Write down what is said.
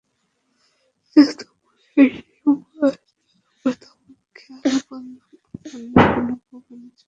ইস্তাম্বুলে এসে সম্ভবত প্রথম খেয়াল করলাম আমি অন্য কোনো ভুবনে চলে এসেছি।